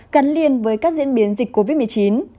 gắn liền với các diễn biến dịch covid một mươi chín